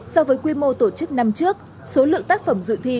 so với quy mô tổ chức năm trước số lượng tác phẩm dự thi